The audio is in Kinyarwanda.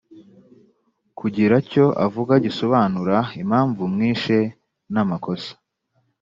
kugira cyo avuga gisobanura impamvu mwishe namakosa